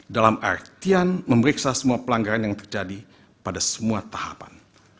dalam artian memeriksa semua pelanggaran yang terjadi pada semua tahapan